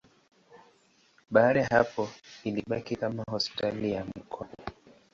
Baada ya hapo ilibaki kama hospitali ya mkoa.